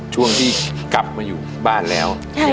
ช่วงที่กลับมาอยู่บ้านแล้ว